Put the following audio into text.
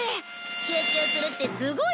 集中するってすごいでしょ？